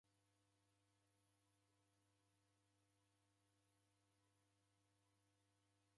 Redio yapotoka ikazama